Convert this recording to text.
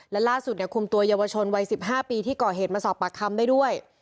และล่าสุดคุมตัวเยาวชนวัย๑๕ปีที่ก่อเหตุมาสอบปากคำได้ด้วย